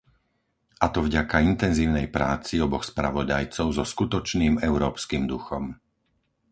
A to vďaka intenzívnej práci oboch spravodajcov so skutočným európskym duchom.